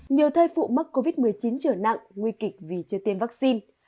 nhiều thai phụ mắc covid một mươi chín trở nặng nguy kịch vì chưa tiêm vaccine